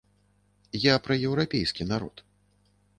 Я пра еўрапейскі народ.